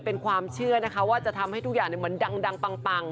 เป็นความเชื่อนะคะว่าจะทำให้ทุกอย่างเหมือนดังปัง